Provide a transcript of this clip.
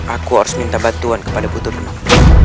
aku harus minta bantuan kepada putri nung